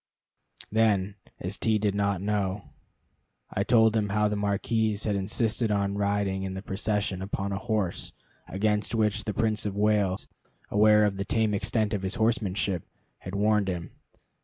Then, as T did not know, I told him how the marquis had insisted on riding in the procession upon a horse, against which the Prince of Wales, aware of the tame extent of his horsemanship, had warned him.